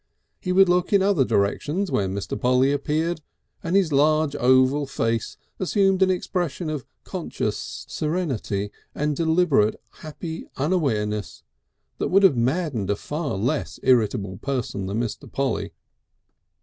He would look in other directions when Mr. Polly appeared, and his large oval face assumed an expression of conscious serenity and deliberate happy unawareness that would have maddened a far less irritable person than Mr. Polly.